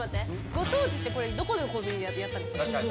ご当地って、これ、どこのコンビニでやったんですか？